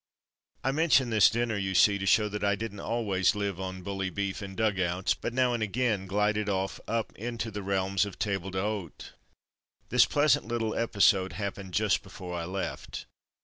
I mention this dinner, you see, to show that I didn't always live on bully beef in dugouts, but now and again glided off up into the realms of table d'hote. This pleasant little episode happened just before I left.